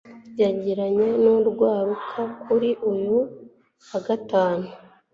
yagiranye n'urwaruka kuri uyu wa gatanu